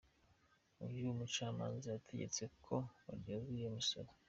Uyu mucamanza yategetse ko baryozwa iyo misoro.